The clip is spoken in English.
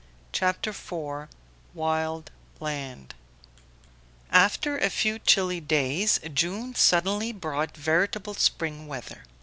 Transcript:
CHAPTER IV WILD LAND AFTER a few chilly days, June suddenly brought veritable spring weather.